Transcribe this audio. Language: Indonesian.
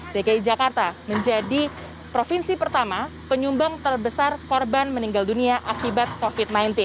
dki jakarta menjadi provinsi pertama penyumbang terbesar korban meninggal dunia akibat covid sembilan belas